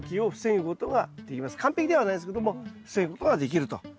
完璧ではないですけども防ぐことができると。